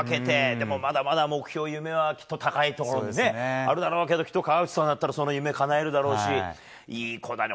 でも、まだまだ目標夢はきっと高いところにあるだろうけどきっと河内さんだったらその夢をかなえるだろうし、いい子だね。